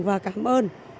và cảm ơn